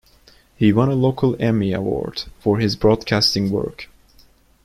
He won a local Emmy Award for his broadcasting work.